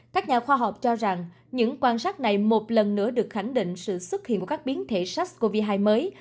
các nhà khoa học cho rằng những quan sát này một lần nữa được khẳng định sự xuất hiện của các biến thể sars cov hai mới